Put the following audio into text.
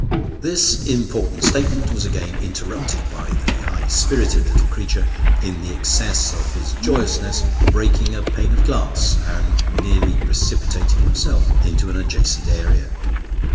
This important statement was again interrupted by the high spirited little creature, in the excess of his joyousness breaking a pane of glass, and nearly precipitating himself into an adjacent area.